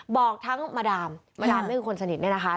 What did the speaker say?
บอกทั้งมาดามมาดามนี่คือคนสนิทเนี่ยนะคะ